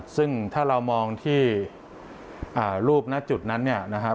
ซึ่งถ้าเรามองที่รูปณจุดนั้นเนี่ยนะฮะ